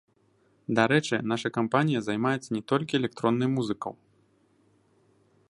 Дарэчы, наша кампанія займаецца не толькі электроннай музыкаў.